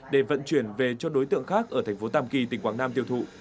để vận chuyển về cho đối tượng khác ở thành phố tàm kỳ tỉnh quảng nam tiêu thụ